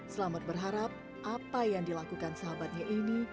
selamat berharap apa yang dilakukan sahabatnya ini